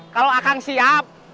kalau akan siap